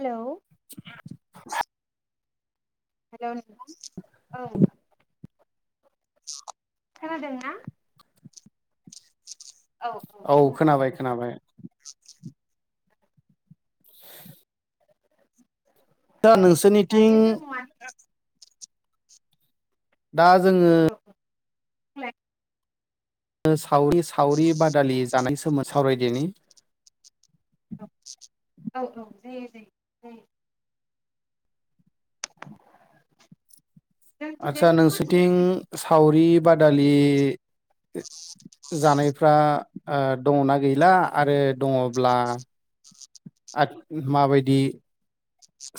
Hello hello औ खोनादोंना? औ खोनाबाय खोनाबाय। [inaudible] दा नोंसोरनिथिं दायो जों मानि दा जोङो औ [inaudible] [inaudible] सावरि सावरि बादालि जानाय सोमोन सावरायदिनि औ औ औ दे देे दे आदसा जोंथिंजायनिखौ मिथिनो नोंसोरथिं लुबैदों सावरि बादालि [inaudible] जानायफ्रा ओ दङना गैला आरो दङब्ला माबायदि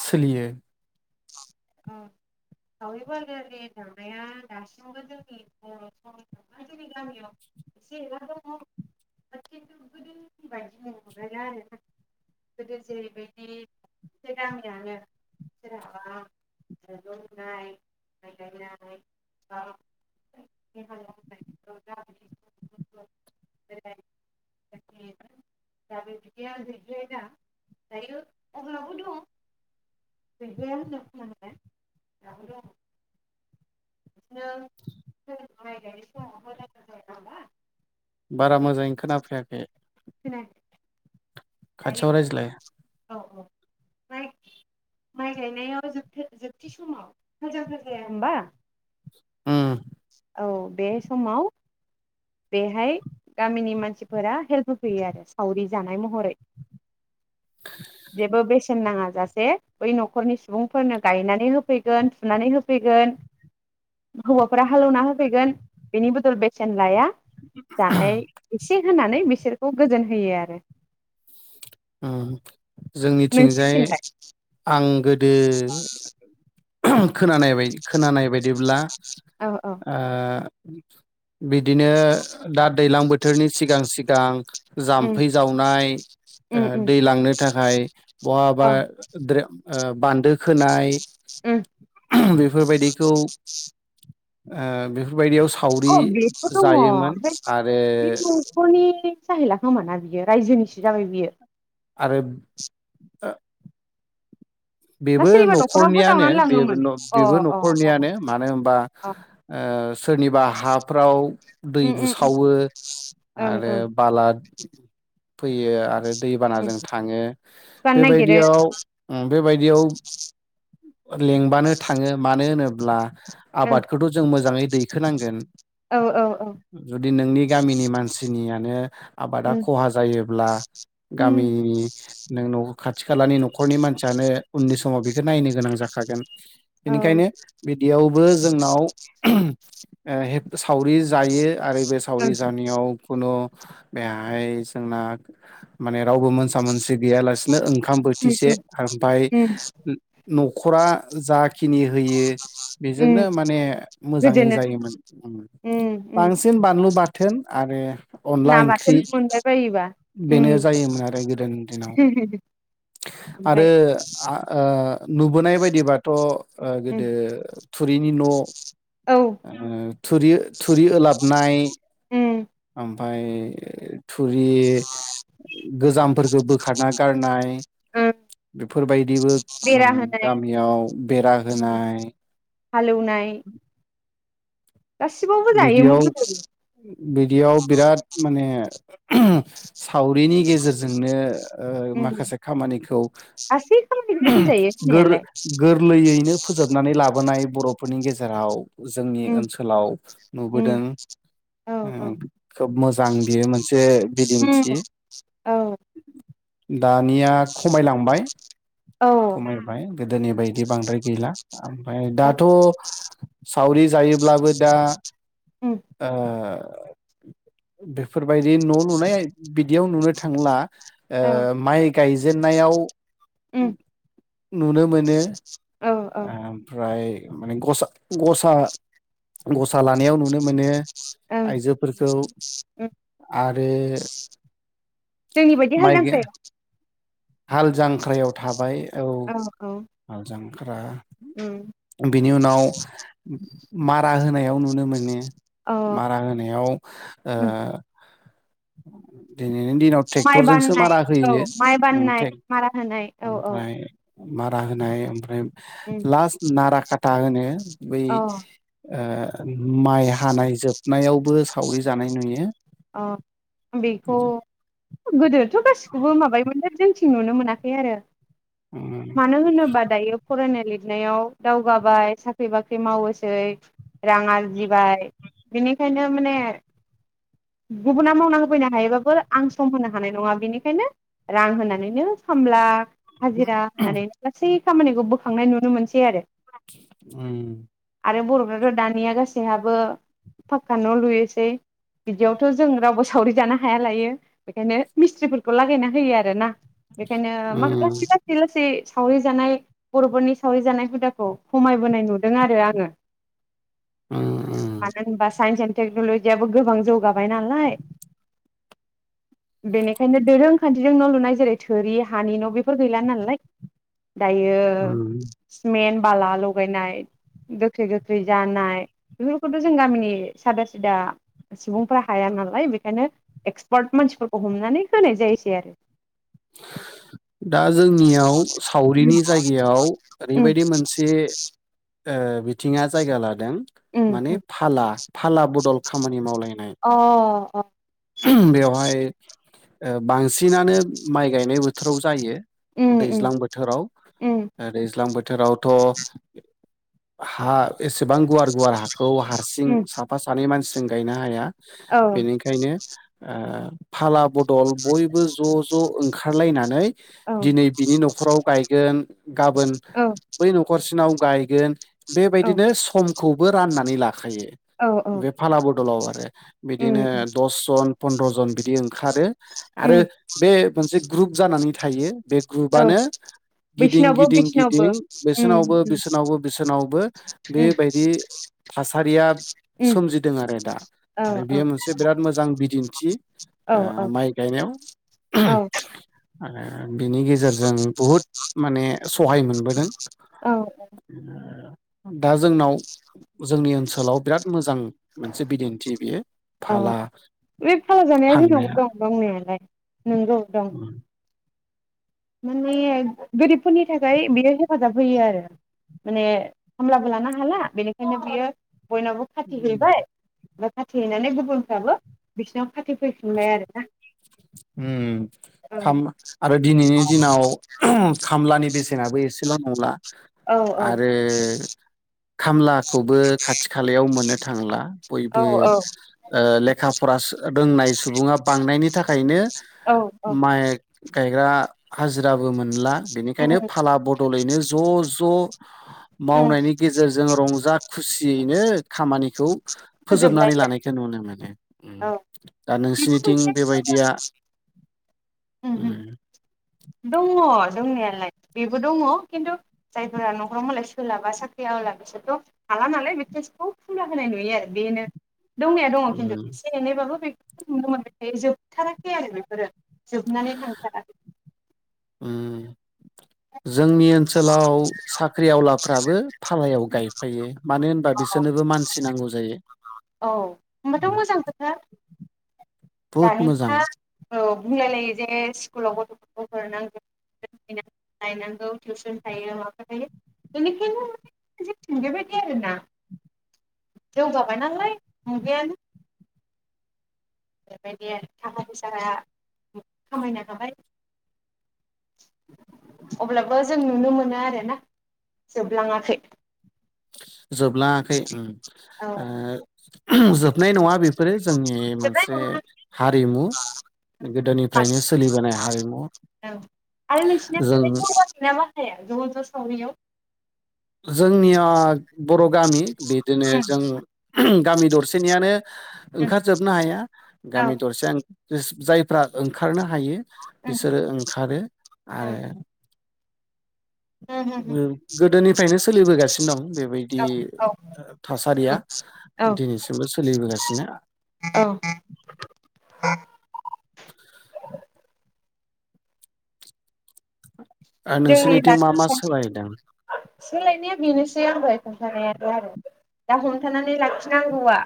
सोलियो औ सावरि बादालि जानाया दासिमबो जोंनि बर' [unintelligible] आरोना गोदो जेरैबायदि [unintelligible] [unintelligible] बारा मोजाङै खोनाफैयाखै। खोनायाखै खाथियाव रायज्लाय औ औ माइ माइ गायनायाव जोबथि समाव। हाल जांख्रा जाया होमबा उम औ बे समाव बेहाय गामिनि मानसिफोरा हेल्प होफैयो आरो सावरि जानाय महरै। जेबो बेस बेसेन नाङा जासे बै न'खरनि सुबुंफोरनो गायनानै होफैगोन थुनानै होफैगोन हौवाफोरा हालेवना होफैगोन बेनि बदल बेसेन लाया जानाय एसे होनानै बिसोर बेखौ गोजोन होयो आरो अ जोंनिथिंजाय नोंसिनिथिंलाय आं गोदो [unintelligible] खोनानाय बाय खोनानाय बायदिब्ला औ औ ओ [unintelligible] बिदिनो दा दैज्लां बोथोरनि सिगां सिग गां उम जाम्फै जावनाय ओ उम उम दै लांनो थाखाय बहाबा औ ओ बान्दो खोनाय उम बेफोरबायदिखौ ओ बेफोरबायदियाव सावरि अ बेथ' दङ जायोमोन बे आरो बि न'खरनि जाहैला खोमाना बियो रायजोनिसो जाबाय बियो। आरो ओ ना बेबो सोरनिबा न'खरावबो न'खरनियानो जावनानै बे लाङोमोन अ बेबो अ अ न'खरनियानो मानो होनबा अ ओ सोरनिबा हाफ्राव दै उम उम उम बुसावो ओं आरो ओं बाला फैयो आरो उम दैबानाजों थाङो जानो नागिरो बेबायदियाव बिदियाव लिंबानो थाङो मानो होनो ब्ला ओं आबादखौथ' जों मोजाङै दैखोनांगोन औ औ औ जुदि नोंनि गामिनि मानसिनियानो आबादा उम ख'हा जायोब्ला उम गामिनि नोंन खाथि खालानि न'खरनि मानसियानो उन्दै समाव बेखौ नायनो गोनां जाखागोन औ बेनिखायनो ओं बिदियावबो जोंनाव सावरि जायो आरो बे सावरि जानायाव खुनु बेहाय जोंना माने रावबो मोनसा मोनसि गैयालासि नो ओंखाम उम उम बोथिसे ओमफाय उम न'खरा जाखिनि होयो बेजोंनो उम माने मोजाङै गोजोनो जायोमोन उम उम उम बांसिन बानलु बाथोन आरो अनला ना ओंख्रि बाथोन मोनबाय बायोबा बेनो उम जायोमोन आरो गोदोनि दिनाव ओमफ्राय आरो ओ नुबोनाय बायदिबाथ' ओ उम गोदो थुरिनि न' ओ औ थुरि- थुरि ओलाबनाय उम अ ओमफाय थुरि गोजामफोरखौ बोखारना गारनाय। उम बेफोरबायदिबो बेरा माने होनाय गामियाव बेरा होनाय। हालेवनाय, गासिबावबो जायोमोन गोदो बिदियाव-बिदियाव बिराद माने सावरिनि गेजेरजोंनो ओ उम माखासे खामानिखौ गासै खामानिखौनो होनजायो गोरलै होननायालाय गोरलैयैनो फोजोबनानै लाबोनाय। बर'फोरनि गेजेराव जोंनि उम ओनसोलाव। उम नुबोदों औ औ उम खोब मोजां बियो मोनसे उम बिदिन्थि। औ औ दानिया खमायलांबाय खमायबाय गोदोनि बायदि बांद्राय गैला ओमफ्राय औ दाथ' साउरि जायो। अब्लाबो दा उम ओ बेफोरबायदि न' लुनाय बिदियाव नुनो थांला। औ ओ माइ गाय जेन्नायआव उम नुनो मोनो। [inaudible] ओ ओमफ्राय माने गसा-गसा-गसा लानायाव नुनो मोनो। आइजोफोरखौ उम आरो जोंनि बायदि हाल माइ गाय जांख्रा हाल जांख्रायाव थाबाय औ, औ हाल जांख्रा उम बिद बेनि उनाव मारा होनायाव नुनो मोनो। अ मारा होनायाव ओ उम [unintelligible] दिनाव माइ ट्रेक्टरजोंसो बाननाय मारा औ होयो माइ ओम बाननाय मारा होनाय औ औ। [unintelligible] बा होनाय ओमफ्राय उम लास नाराख खाथा होनो। बै अ ओ माइ हानाय जोबनायाव बो सावरि जानाय नुयो। अ बेखौ बिदि गोदो थ' औगासिखौबो माबायोम जोंथिं नुनो मोनाखै आरो। उम मानो होनोबा दायो फरायनाय लिर लिरनायाव दावगाबाय साख्रि बाख्रि मावोसै। रां आरजिबाय बिनि बेखायनो माने गुबुना मावना होफैनो हायोबाबो आं सम होनो हानाय नङा बेनिखायनो रां होनानैनो खामब्ला हाजिरा होनानै गासै खामानिखौ बोखांनाय नुनो मोनसै आरो। उम। आरो बर'फ्राथ दानिया गासैहाबो पाखा न' लुयोसै बि बेयावथ' जों रावबो सावरि जानो हाया लायो बेखायनो मिस्थ्रिफोरखौ लागायना होयो आरो ना। बेखायनो मा उम लासै लासै लासै सावरि जानाय बर'फोरनि सावरि जानाय हुदाखौ खमायबोनाय नुदों आरो आङो। उम उम मानो होमबा साइस एन्द टेक्नलजिआबो गोबां जौगा बायनालाय बेनिखायनो दोरों खान्थिजों न लुनाय जेरै थोरि हानि न बेफोर गैला नालाय। दायो उम सिमेन्ट बाला लगायनाय गोखै गोखै जानाय बेफोरखौथ' जों गामिनि सादा सिदा सुबुंफ्रा हाया नालाय बेखायनो एक्सपार्ट मानसिफोरखौ हमनानै होनाय जायोसै आरो। दा जोंनियाव सावरिनि जायगायाव उम ओरैबायदि मोनसे ओ बि थिङा जायगा लादों। उम माने उम फाला बा फाला ब'दल खामानि मावलायनाय अ अ । बेवहाय ओ बांसिनानो माइ गायनाय बो थोराव जायो उम उम दैज्लां बोथोराव उम दैज्लां बोथोरावथ' हा एस गोबां गुवार गुवार हाखौ हारसिं उम साफा सानै मानसिजों गायनो हाया औ बेनिखायनो आ फाला ब दल बयबो ज' ज' ओं ओंखारलायनानै औ दिनै बिनि न'खराव गायगोन गाबोन औ बै न'खरसिनाव गायगोन औ बेबायदिनो समखौबो राननानै लाखायो औ औ बे फाला बदलाव आरो बिदिनो उम दस जन फनद्रजन बिदिओंखारो आरो उम बे जे ग्रुप जानानै थायो बे औ ग्रुपनो गिदिं बैसिनावबो गिदिं बैसिनावबो गिदिं उम बेसनावबो बिसोरनावबो बिसोरनावबो उम बेबायदि थासारिया उम सोमजिदों आरो दा औ आरो बेयो मोनसे बिराद मो बिदिन्थि औ ओ औ माइ गायनायाव औ आंङो बिनि गेजेरजों बुहुद माने सहाय मोनबोदों औ दा जोंनाव जोंनि ओनसोलाव बिराद मोजां मोनसे बिदिन्थि बेयो फाला औ बे फाला जानाया जोंनावबो थांनाया दं मावनायालाय नोंगौ दं । उम माने गोरिबफोरनि थाखाय बियो हेफाजाब होयो आरो माने खामलाबो लानो हाला बेनिखायनो बियो बयनावबो खाथि हैबाय ओमफाय खाथिहैनानै गुबुनफ्राबो बिसिनाव खाथिफैफिनबाय आरोना । उम खाम आरो दिन नैनि दिनाव खामलानि बेसेनाबो एसेल' नंला औ आरो खामलाखौबो खाथि खालायाव मोननो थांला बयबो औ ओ लेखा फरासो रोंनाय सुबुङा बांनायनि थाखायनो औ औ माइ गायग्रा हाजो राबो मोनला बेनिखायनो उम फाला बदलैनो ज' ज' उम मावनायनि गेजेरजों रंजा खुसियैनो खामानिखौ फोजोबनानै फोजोबलायो लानायखौ नुनो मोनो। उम औ दा बेबो नोंसिनिथिं बेबायदि [unintelligible] उम दङ दंनायालाय बेबो दङ खिन्थु जायफोरा न'खराव मालाय सोलाबा साख्रिया आवला बिसोरथ' हाला नालाय बेसोखौ खुला होनाय नुयो आरो बेनो दंनायया दङ खिन्थु उम एसे एनैबाबो बे [unintelligible] जोबथाराखै आरो बेफोरो जोबनानै थांथाराखै उम जोंनि ओनसोलाव साख्रि आवलाफ्राबो फालायाव गायफायो मानो होनबा बिसोरनोबो मानसि नांगौ जायो। औ होमबाथ' मोजां खोथा बहुद मोजां [unintelligible] औ बुंलाय लायो जे स्कुलाव गथ'फोरखौ हरनांगोन [unintelligible] लायनांगौ टिउसन थायो माबा थायो बेनिखायनो [unintelligible] बायदि आरोना जौगाबाय नालाय मुगायानो बेबायदि थाखा फैसा खामायनो हाबाय अब्लाबो जों नुनो मोनो आरोना जोबलाङाखै जोबलाङाखै उम औ ओ [unintelligible] जोब नाय नङा बेफोरो जोंनि जोबनाय मोनसे नङा औ हारिमु गोदोनिफ्रायनो सोलिबोनाय हारिमु आरो नोंसिना जों बेलाय ज' बाहायोना ज' ज' सावरियाव जोंनिया बर' गामि बिदिनो जों गामि दरसेनियानो ओंखारजोबनो हाया गामि दरसे आं जायफ्रा ओंखारनो हायो बिसोरो ओंखारो आरो गोदोनि फ्रायनो सोलिबोगासिनो दं बेबायदि औ थासारिया औ दिनैसिमबो सोलिबोगासिनो औ [unintelligible] जोंनि दा नोंसोरनिथिं मा मा सोलायदों सोलायनाया बेनोसै आं दहाय खोनथानायानो आरो दा हमथानानै लाखिनांगौवा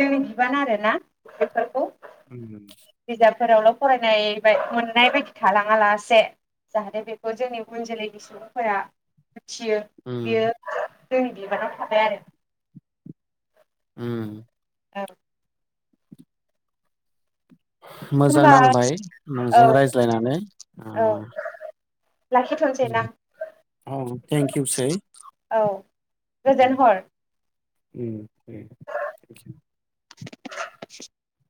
जोंनि बिबान आरो ना बेफोरखौ [inaudible] सोरावल फरायनाय बाय मोननाय बायदि थालाङा लासे जाहाथे बे जोंनि उन जोलैनि सुबुंफोरा थियो बियो। उम जोंनि बिबानाव थाबाय आरो। उम। औ मोजां होनबा नांबाय औ नोंजों रायज्लायनानै। औ लाखिथ'नोसै ना औ थेंक इउ सै। औ गोजोन हर। उम दे थेंक इउ। [inaudible]